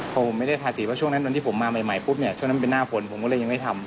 ก็ไม่ได้ทาสีเพราะว่าตอนที่ผมมาใหม่ก็เป็นหน้าฝนผมก็ยังไม่ได้ทำ